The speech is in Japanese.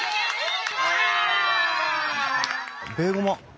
ベイゴマ。